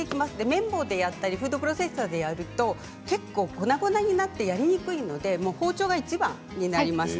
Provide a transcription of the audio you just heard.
麺棒でやったりフードプロセッサーでやると結構粉々になってやりにくいので包丁がいちばんになります。